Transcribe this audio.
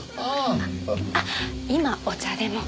あっ今お茶でも。